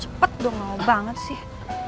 cepet dong mau banget sih